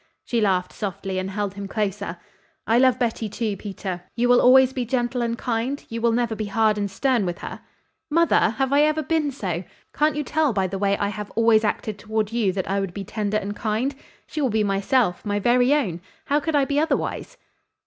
She laughed softly and held him closer. "I love Betty, too, Peter. You will always be gentle and kind? You will never be hard and stern with her?" "Mother! Have I ever been so? Can't you tell by the way I have always acted toward you that I would be tender and kind? She will be myself my very own. How could I be otherwise?"